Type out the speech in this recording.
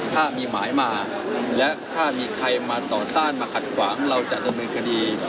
ถ้ามีหมายมาและถ้ามีใครมาต่อต้านมาขัดขวางเราจะดำเนินคดี